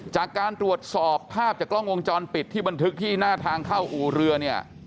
จากการตรวจสอบภาพจากกล้องวงจรปิดที่บันทึกที่หน้าทางเข้าอู่เรือเนี่ย